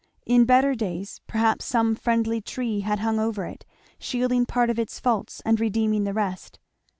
In better days perhaps some friendly tree had hung over it, shielding part of its faults and redeeming the rest.